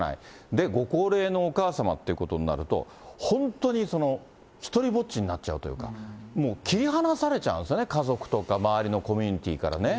で、ご高齢のお母様っていうことになると、本当に独りぼっちになっちゃうというか、もう切り離されちゃうんですね、家族とか周りのコミュニティーからね。